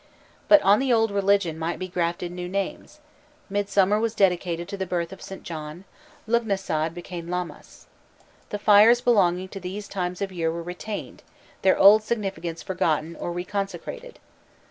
But on the old religion might be grafted new names; Midsummer was dedicated to the birth of Saint John; Lugnasad became Lammas. The fires belonging to these times of year were retained, their old significance forgotten or reconsecrated.